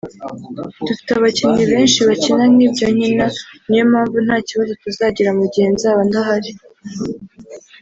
Dufite abakinnyi benshi bakina nk’ibyo nkina niyo mpamvu nta kibazo tuzagira mu gihe nzaba ndahari